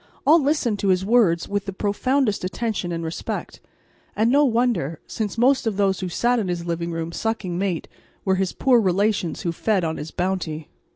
All listened to his words with the profoundest attention and respect, and no wonder, since most of those who sat in his living room, sucking mate, were his poor relations who fed on his bounty.